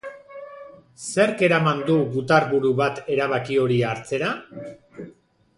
Zerk eraman du gutarburu bat erabaki hori hartzera?